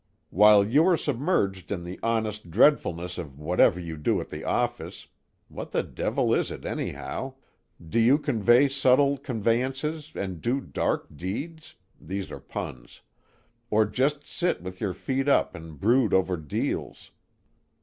While you are submerged in the honest dreadfulness of whatever you do at the office what the devil is it anyhow? do you convey subtle conveyances and do dark deeds (these are puns) or just sit with your feet up and brood over Deals?